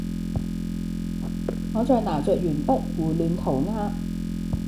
我在拿著鉛筆胡亂塗鴉